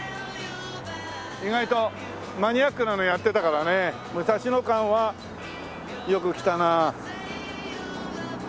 意外とマニアックなのやってたからね武蔵野館はよく来たなあ。